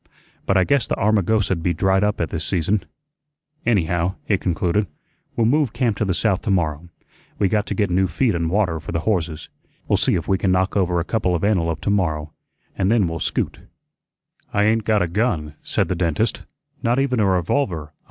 But I guess the Armagosa'd be dried up at this season. Anyhow," he concluded, "we'll move camp to the south to morrow. We got to get new feed an' water for the horses. We'll see if we can knock over a couple of antelope to morrow, and then we'll scoot." "I ain't got a gun," said the dentist; "not even a revolver.